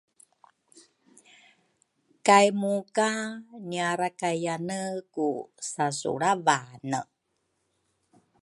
kay muka ngiarakayane ku sasulravane.